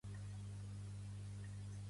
Pertany al moviment independentista la Carla?